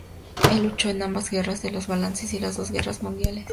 Él luchó en ambas guerras de los Balcanes y las dos guerras mundiales.